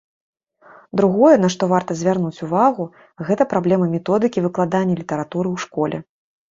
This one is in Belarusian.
Другое, на што варта звярнуць увагу, гэта праблема методыкі выкладання літаратуры ў школе.